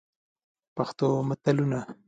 پښتو متلونه: